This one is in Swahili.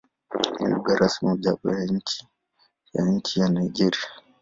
Ni lugha rasmi mojawapo ya nchi ya Nigeria.